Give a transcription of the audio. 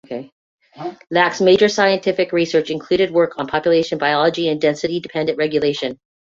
Lack's major scientific research included work on population biology and density dependent regulation.